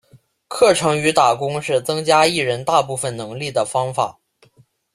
课程与打工是增加艺人大部分能力的方法。